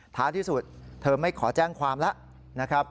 ท้ายที่สุดเธอไม่ขอแจ้งความแล้วนะครับ